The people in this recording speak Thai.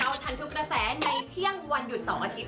เอาทันทุกกระแสในเที่ยงวันหยุด๒อาทิตย